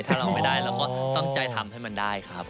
ถ้าเราไม่ได้เราก็ตั้งใจทำให้มันได้ครับ